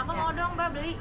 apa mau dong mbak beli